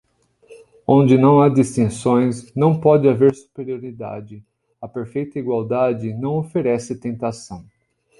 Onde não há distinções, não pode haver superioridade, a perfeita igualdade não oferece tentação.